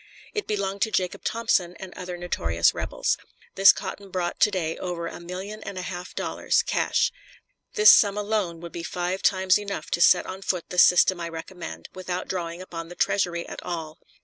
It belonged to Jacob Thompson and other notorious rebels. This cotton brought to day over a million and a half of dollars, cash. This sum alone would be five times enough to set on foot the system I recommend, without drawing upon the Treasury at all.